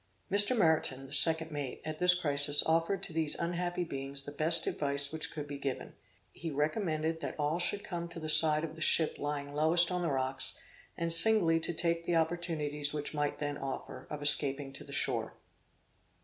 Mr. Meriton, the second mate, at this crisis offered to these unhappy beings the best advice which could be given; he recommended that all should come to the side of the ship lying lowest on the rocks, and singly to take the opportunities which might then offer, of escaping to the shore.